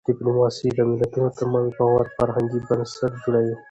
ډيپلوماسي د ملتونو ترمنځ د باور فرهنګي بنسټ جوړوي.